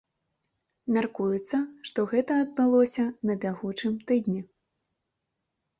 Мяркуецца, што гэта адбылося на бягучым тыдні.